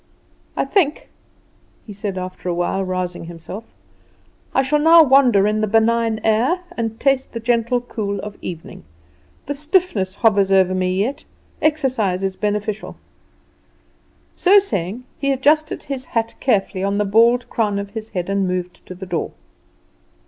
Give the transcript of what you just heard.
"I think," he said after a while, rousing himself, "I shall now wander in the benign air, and taste the gentle cool of evening. The stiffness hovers over me yet; exercise is beneficial." So saying, he adjusted his hat carefully on the bald crown of his head, and moved to the door.